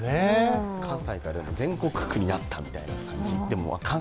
関西から全国区になったみたいな感じ。